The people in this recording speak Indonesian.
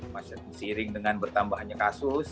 masyarakat disiring dengan bertambahannya kasus